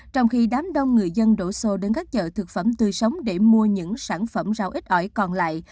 trong khi đám đông người dân đổ xô đến các chợ thực phẩm tươi sống để mua những sản phẩm rau ít ỏi còn lại